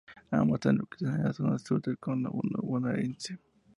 Ambos están localizados en la zona sur del conurbano bonaerense.